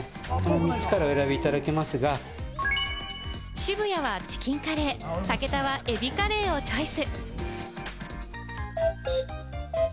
渋谷はチキンカレー、武田はエビカレーをチョイス。